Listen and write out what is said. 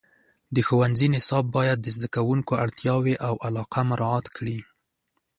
د ښوونځي نصاب باید د زده کوونکو اړتیاوې او علاقه مراعات کړي.